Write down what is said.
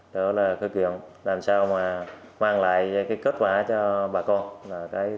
đó là cơ kiện làm sao mà mang lại kết quả cho bà con